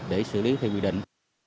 để xử lý theo quy định